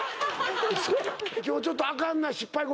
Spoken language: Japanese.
今日ちょっとあかんな失敗